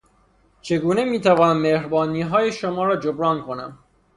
چگونه میتوانم مهربانیهای شما را جبران کنم